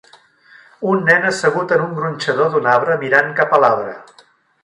Un nen assegut en un gronxador d'un arbre mirant cap a l'arbre.